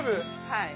はい。